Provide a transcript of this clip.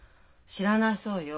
知らないそうよ。